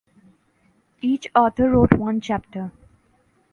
Each author wrote one chapter.